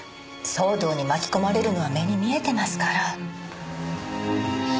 騒動に巻き込まれるのは目に見えてますから。